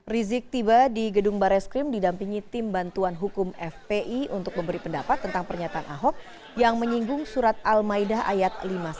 rizik tiba di gedung bareskrim didampingi tim bantuan hukum fpi untuk memberi pendapat tentang pernyataan ahok yang menyinggung surat al maidah ayat lima puluh satu